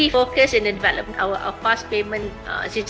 fokus utama dalam pembinaan sistem pembayaran yang cepat